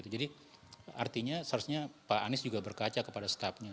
jadi artinya seharusnya pak anies juga berkaca kepada staffnya